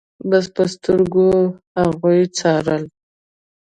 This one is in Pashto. بس په سترګو يې هغوی څارل.